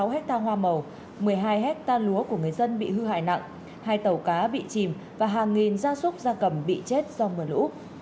một một trăm bốn mươi sáu hectare hoa màu một mươi hai hectare lúa của người dân bị hư hại nặng hai tàu cá bị chìm và hàng nghìn gia súc gia cầm bị chết do mưa lũ